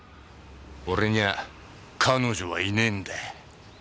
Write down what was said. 俺には彼女はいねえんだよ。